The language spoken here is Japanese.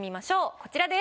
こちらです。